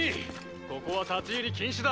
ここは立ち入り禁止だ。